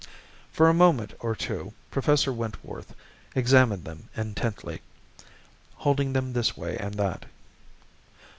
For a moment or two Professor Wentworth examined them intently, holding them this way and that.